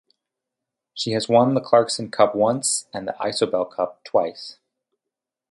She has won the Clarkson Cup once and the Isobel Cup twice.